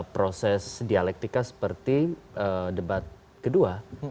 proses dialektika seperti debat kedua